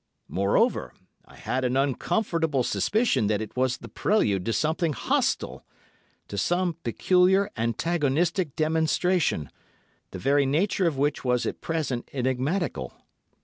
Moreover, I had an uncomfortable suspicion that it was the prelude to something hostile—to some peculiar antagonistic demonstration, the very nature of which was at present enigmatical.